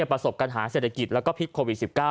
ประสบปัญหาเศรษฐกิจแล้วก็พิษโควิด๑๙